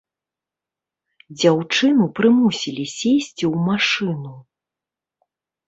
Дзяўчыну прымусілі сесці ў машыну.